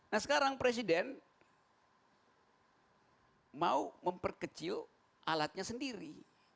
nah sekarang presiden mau memperkecil alatnya sendiri